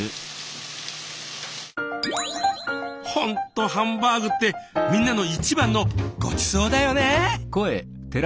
ほんとハンバーグってみんなの一番のごちそうだよね。